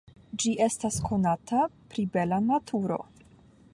Ĝi estas konata pri bela naturo.